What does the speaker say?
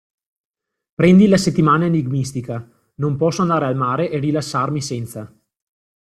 Prendi la settimana enigmistica, non posso andare al mare e rilassarmi senza!